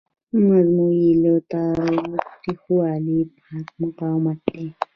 موضوع یې له تاوتریخوالي پاک مقاومت دی.